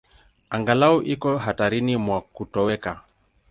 Angalau iko hatarini mwa kutoweka.